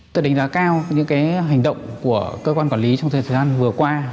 tôi đánh giá cao những hành động của cơ quan quản lý trong thời gian vừa qua